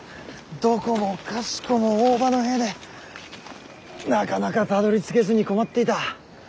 どこもかしこも大庭の兵でなかなかたどりつけずに困っていた。